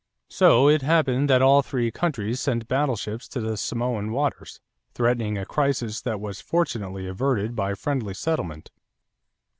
So it happened that all three countries sent battleships to the Samoan waters, threatening a crisis that was fortunately averted by friendly settlement.